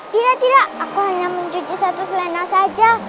tidak tidak aku hanya mencuci satu selena saja